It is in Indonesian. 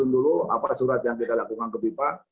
dulu apa surat yang kita lakukan ke bipa